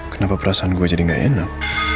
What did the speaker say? kenapa perasaan gue jadi gak enak